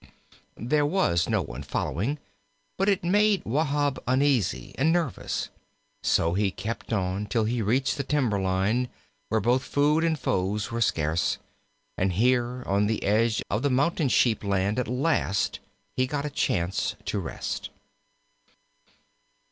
There was no one following, but it made Wahb uneasy and nervous. So he kept on till he reached the timber line, where both food and foes were scarce, and here on the edge of the Mountain sheep land at last he got a chance to rest.